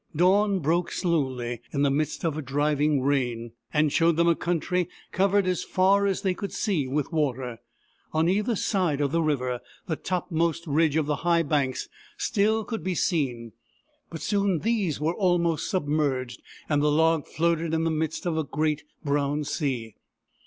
Dawn broke slowly, in the mist of driving rain, and showed them a country covered as far as they could see with water. On either side of the river, the topmost ridge of the high banks still could be seen : but soon these were almost submerged and the log floated in the midst of a great brown sea.